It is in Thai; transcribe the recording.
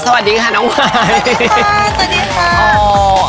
สวัสดีค่ะน้องวาย